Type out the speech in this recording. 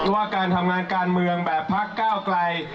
ว่าการทำงานการเมืองแบบพักก้าวไกล